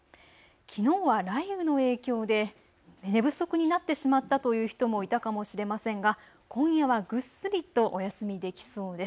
きのうは雷雨の影響で寝不足になってしまったという人もいたかもしれませんが今夜はぐっすりとお休みできそうです。